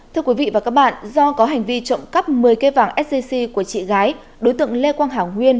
thưa quý vị và các bạn do có hành vi trộm cắp một mươi cây vàng sgc của chị gái đối tượng lê quang hảo nguyên